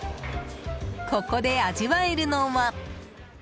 ここで味わえるのは。